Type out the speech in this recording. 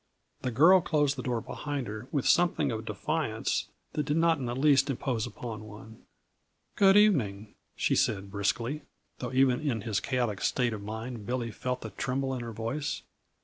The girl closed the door behind her with something of defiance, that did not in the least impose upon one. "Good evening," she said briskly, though even in his chaotic state of mind Billy felt the tremble in her voice.